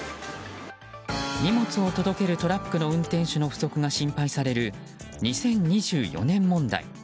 荷物を届けるトラックの運転手の不足が心配される２０２４年問題。